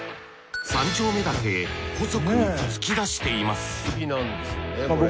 ３丁目だけ細く突き出しています